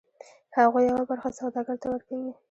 هغوی یوه برخه سوداګر ته ورکوي